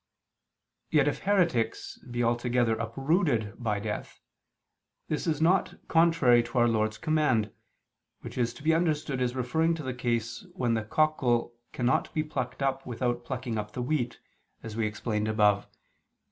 Yet if heretics be altogether uprooted by death, this is not contrary to Our Lord's command, which is to be understood as referring to the case when the cockle cannot be plucked up without plucking up the wheat, as we explained above (Q.